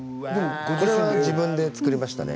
これは自分で作りましたね